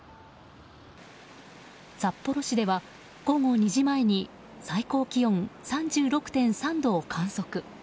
札幌市では、午後２時前に最高気温３６．３度を観測。